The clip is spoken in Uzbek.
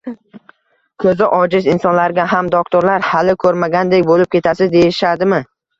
Ko'zi ojiz insonlarga ham doktorlar "Hali ko'rmagandek bo'lib ketasiz!" deyishadimi?